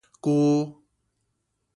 跔